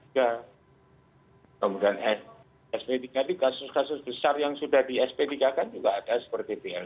kemudian sp tiga ini kasus kasus besar yang sudah di sp tiga kan juga ada seperti pln